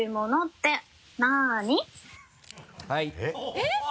えっ？